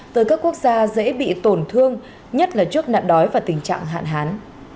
tới các quốc gia dễ bị tổn thương nhất là trước nạn đói và tình trạng hạn hán